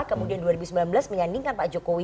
kemudian dua ribu sembilan belas menyandingkan pak jokowi